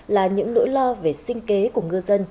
là những nỗi lo về sinh kế của ngư dân